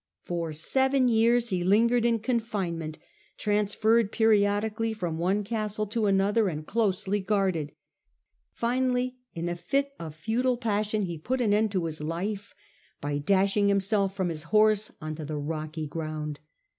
For seven years he lingered in confinement, transferred periodically from one castle to another and closely guarded. Finally, in a fit of futile passion he put an end to his life by dashing himself from his horse on to the rocky ground.